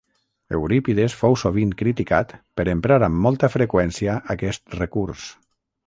Eurípides fou sovint criticat per emprar amb molta freqüència aquest recurs.